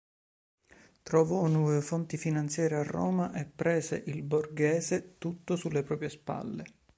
Trovò nuove fonti finanziarie a Roma e prese il Borghese tutto sulle proprie spalle.